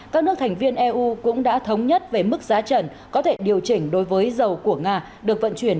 các nước thành viên eu cũng đã thống nhất về mức giá trần có thể điều chỉnh đối với dầu của nga được vận chuyển